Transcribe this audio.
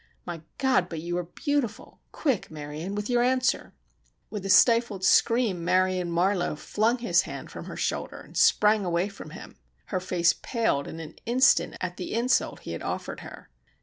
My God, but you are beautiful. Quick, Marion—your answer!" With a stifled scream Marion Marlowe flung his hand from her shoulder and sprang away from him. Her face paled in an instant at the insult he had offered her.